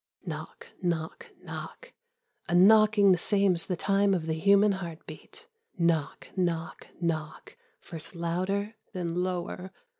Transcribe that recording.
Knock, knock, knock. A knocking the same as the time of the human heartbeat. Knock, knock, knock, first louder, then lower.